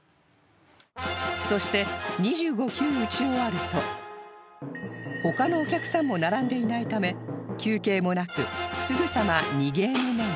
そして２５球打ち終わると他のお客さんも並んでいないため休憩もなくすぐさま２ゲーム目に